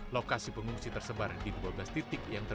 lokasi pengungsi tersebar di dua belas titik